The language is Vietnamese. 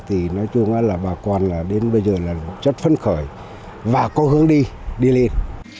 thì nói chung là bà con đến bây giờ là chất phấn khởi và cố hướng đi đi liền